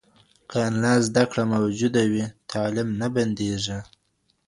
که انلاین زده کړه موجوده وي، تعلیم نه بندېږي.